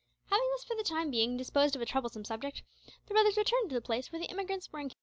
Having thus for the time being disposed of a troublesome subject, the brothers returned to the place where the emigrants were encamped.